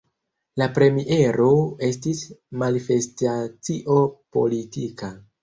La premiero estis manifestacio politika.